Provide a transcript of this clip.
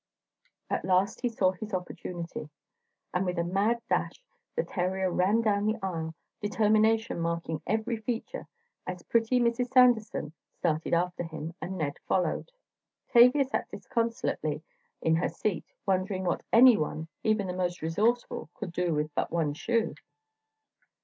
At last he saw his opportunity, and with a mad dash, the terrier ran down the aisle, determination marking every feature, as pretty Mrs. Sanderson started after him, and Ned followed. Tavia sat disconsolately in her seat, wondering what anyone, even the most resourceful, could do with but one shoe!